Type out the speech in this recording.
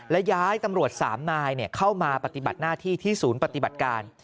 และย้ายตำรวจ๓นายเข้ามาปฏิบัติหน้าที่ที่ศูนย์ปฏิบัติการ